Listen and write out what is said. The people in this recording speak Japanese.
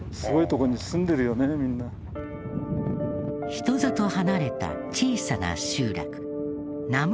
人里離れた小さな集落。